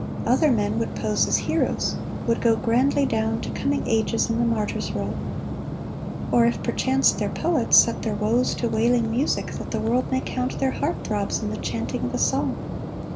Other men Would pose as heroes ; would go grandly down To coming ages in the martyr's role ; Or, if perchance they're poets, set their woes To wailing music, that the world may count Their heart throbs in the chanting of a song.